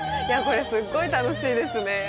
これすっごい楽しいですね